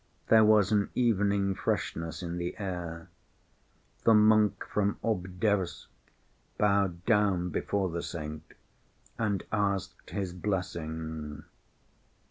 There was an evening freshness in the air. The monk from Obdorsk bowed down before the saint and asked his blessing.